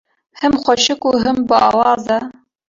Him xweşik û him biawaz e.